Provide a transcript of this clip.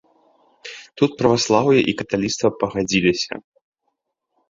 Тут праваслаўе і каталіцтва пагадзіліся.